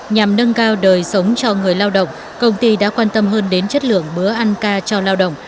nhằm nâng cao đời sống cho người lao động công ty đã quan tâm hơn đến chất lượng bữa ăn ca cho lao động